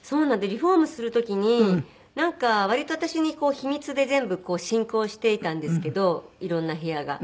リフォームする時になんか割と私に秘密で全部進行していたんですけど色んな部屋が。